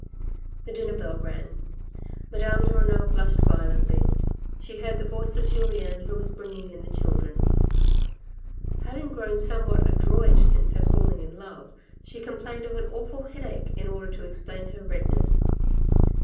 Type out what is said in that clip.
The dinner bell rang. Madame de Renal blushed violently. She heard the voice of Julien who was bringing in the children. 4 50 THE RED AND THE BLACK Having grown somewhat adroit since her falling in love, she complained of an awful headache in order to explain her redness.